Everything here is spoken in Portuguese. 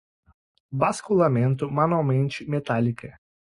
basculamento, manualmente, metálica